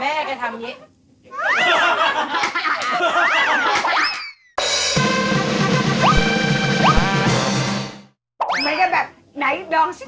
แกทำอย่างนี้